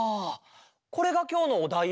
これがきょうのおだい？